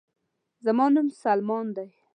زما نوم سلمان دے